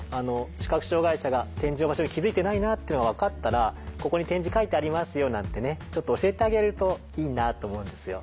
視覚障害者が点字の場所に気付いてないなっていうのが分かったら「ここに点字書いてありますよ」なんてねちょっと教えてあげるといいなと思うんですよ。